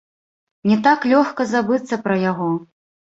Не так лёгка забыцца пра яго.